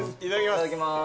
いただきます。